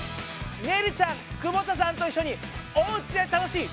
ねるちゃん久保田さんと一緒におうちで楽しい！